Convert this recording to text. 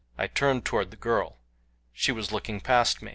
I turned toward the girl. She was looking past me.